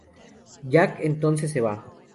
Jack entonces se va.